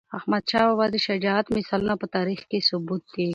احمدشاه بابا د شجاعت مثالونه په تاریخ کې ثبت دي.